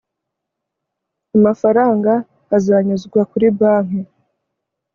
amafaranga azanyuzwa kuri banke